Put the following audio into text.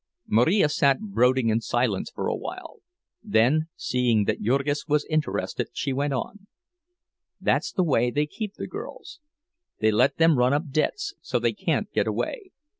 Marija sat brooding in silence for a while; then, seeing that Jurgis was interested, she went on: "That's the way they keep the girls—they let them run up debts, so they can't get away.